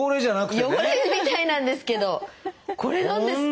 汚れみたいなんですけどこれなんですって。